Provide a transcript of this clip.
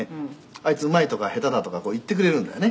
あいつうまいとか下手だとか言ってくれるんだよね」